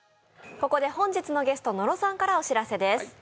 ここで本日のゲスト、野呂さんからお知らせです。